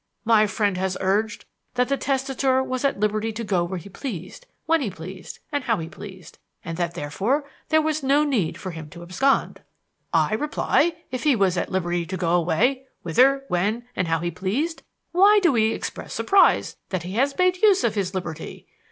My friend has urged that the testator was at liberty to go where he pleased, when he pleased, and how he pleased; and that therefore there was no need for him to abscond. I reply, if he was at liberty to go away, whither, when, and how he pleased, why do we express surprise that he has made use of his liberty?